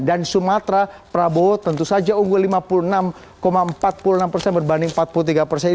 dan sumatera prabowo tentu saja unggul lima puluh enam empat puluh enam persen berbanding empat puluh tiga persen